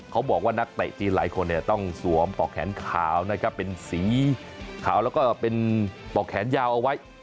เขาบอกว่านักเตะจีนหลายคนเนี่ยต้องสวมปอกแขนขาวนะครับเป็นสีขาวแล้วก็เป็นปอกแขนยาวเอาไว้